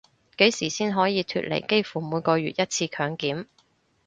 幾時先可以脫離幾乎每個月一次強檢